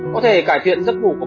có thể giúp giảm mức độ nghiêm trọng